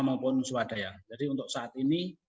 maupun swadaya jadi untuk saat ini